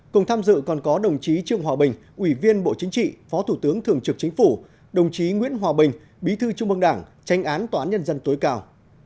cùng tham dự còn có đồng chí trương hòa bình ủy viên bộ chính trị phó thủ tướng thường trực chính phủ đồng chí nguyễn hòa bình bí thư trung mương đảng tranh án tòa án nhân dân tối cao